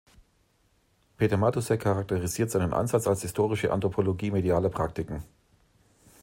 Peter Matussek charakterisiert seinen Ansatz als ‚Historische Anthropologie medialer Praktiken‘.